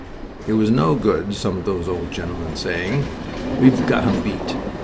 It was no good some of those old gentlemen saying, "We've got 'em beat!"